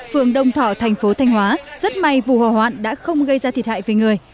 phường đông thọ tp thanh hóa rất may vụ hòa hoạn đã không gây ra thiệt hại về người